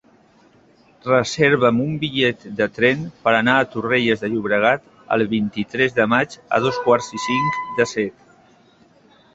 Reserva'm un bitllet de tren per anar a Torrelles de Llobregat el vint-i-tres de maig a dos quarts i cinc de set.